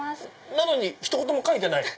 なのにひと言も書いてない。